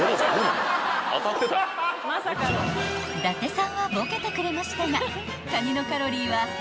［伊達さんはボケてくれましたがカニのカロリーは］